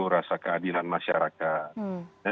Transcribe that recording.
rasa keadilan masyarakat